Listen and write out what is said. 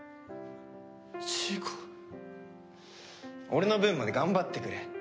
俺の分まで頑張ってくれ。